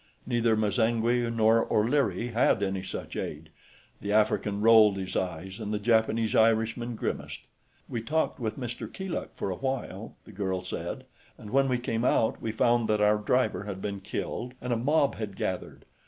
Neither M'zangwe nor O'Leary had any such aid; the African rolled his eyes and the Japanese Irishman grimaced. "We talked with Mr. Keeluk for a while," the girl said, "and when we came out, we found that our driver had been killed and a mob had gathered.